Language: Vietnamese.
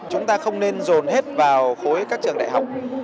chúng ta không nên dồn hết vào khối các trường đại học